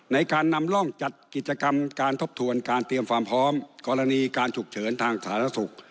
ในการนำร่องจัดกิจกรรมการทบทวนการเตรียมความพร้อมกรณีการฉุกเฉินทางสาธารณสุข